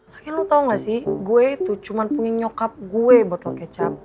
kakil lo tau gak sih gue itu cuma punya nyokap gue botol kecap